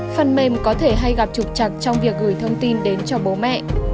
phân mềm có thể hay gặp trục trặc trong việc gửi thông tin đến cho bố mẹ